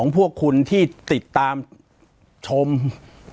ปากกับภาคภูมิ